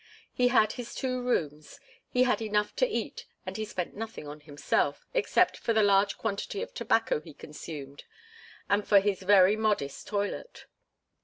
He had his two rooms, he had enough to eat and he spent nothing on himself, except for the large quantity of tobacco he consumed and for his very modest toilet.